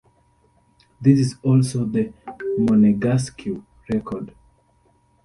This is also the Monegasque record.